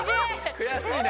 悔しいね！